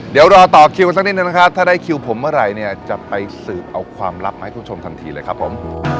เดี๋ยวรอต่อคิวกันสักนิดนึงนะครับถ้าได้คิวผมเมื่อไหร่เนี่ยจะไปสืบเอาความลับมาให้คุณผู้ชมทันทีเลยครับผม